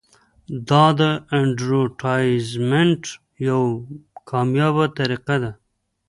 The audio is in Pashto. دا د اډورټایزمنټ یوه کامیابه طریقه ده.